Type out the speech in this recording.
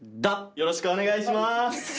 よろしくお願いします。